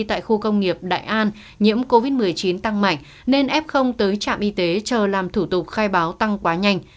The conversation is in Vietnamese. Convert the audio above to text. tại khu công nghiệp đại an nhiễm covid một mươi chín tăng mạnh nên f tới trạm y tế chờ làm thủ tục khai báo tăng quá nhanh